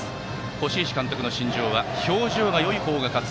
輿石監督の信条は表情がよいほうが勝つ。